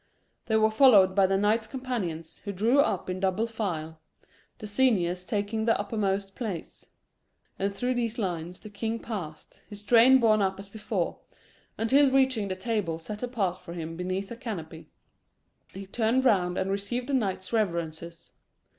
They were followed by the knights companions, who drew up in double file, the seniors taking the uppermost place; and through these lines the king passed, his train borne up as before, until reaching the table set apart for him beneath a canopy, he turned round and received the knights' reverences.